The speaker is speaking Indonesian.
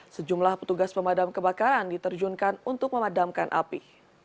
sejumlah petugas pemadam kebakaran diterjunkan untuk memadamkan api